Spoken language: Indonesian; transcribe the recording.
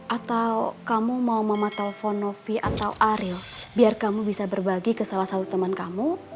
atau kamu mau telepon novi atau ariel biar kamu bisa berbagi ke salah satu teman kamu